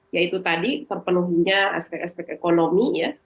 yaitu tadi terpenuhinya aspek aspek ekonomi ya